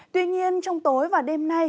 tuy nhiên trong tối và đêm nay